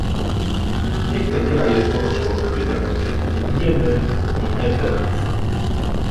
Niech te kraje ponoszą odpowiedzialność, nie my, i nie teraz